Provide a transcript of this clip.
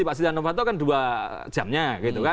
pak siliano fato kan dua jamnya